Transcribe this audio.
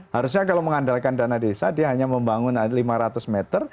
harusnya kalau mengandalkan dana desa dia hanya membangun lima ratus meter